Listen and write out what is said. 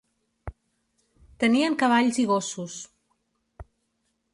Tenien cavalls i gossos.